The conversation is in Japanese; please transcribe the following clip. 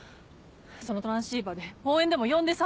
そのトランシーバーで応援でも呼んでさ。